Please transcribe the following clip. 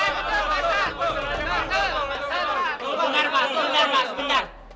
benar pak benar pak